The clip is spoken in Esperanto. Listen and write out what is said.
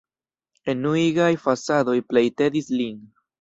Enuigaj fasadoj plej tedis lin.